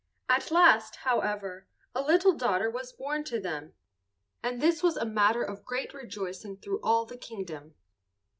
At last, however, a little daughter was born to them, and this was a matter of great rejoicing through all the kingdom.